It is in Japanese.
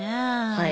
はい。